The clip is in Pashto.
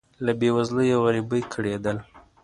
له بې وزلۍ او غریبۍ کړېدل.